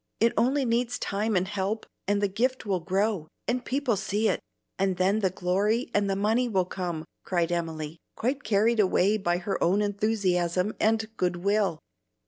It only needs time and help, and the gift will grow, and people see it; and then the glory and the money will come," cried Emily, quite carried away by her own enthusiasm and good will.